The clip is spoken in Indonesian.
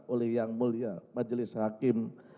oleh yang mulia majelis hakim